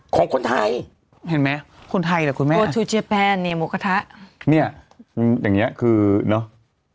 ของคนไทยเห็นไหมคนไทยหรือคนแม่นี่หมูกระทะเนี่ยอย่างเงี้ยคือเนาะ